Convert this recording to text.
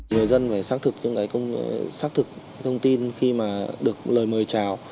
người dân phải xác thực những cái thông tin khi mà được lời mời trào